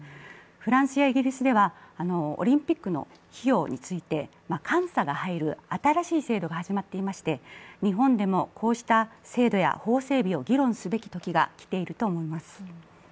フランスやイギリスではオリンピックの費用について監査が入る新しい制度が始まっていまして、日本でもこうした制度や法整備を議論すべき時が来ていると思います。